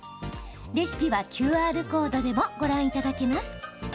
レシピはＱＲコードでもご覧いただけます。